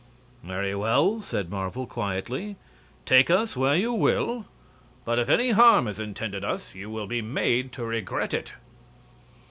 "Very well," said Marvel, quietly; "take us where you will; but if any harm is intended us you will be made to regret it."